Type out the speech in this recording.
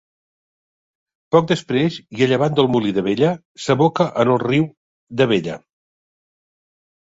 Poc després, i a llevant del Molí d'Abella, s'aboca en el riu d'Abella.